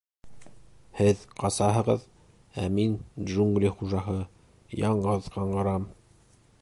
— Һеҙ ҡасаһығыҙ, ә мин, джунгли хужаһы, яңғыҙ ҡаңғырам.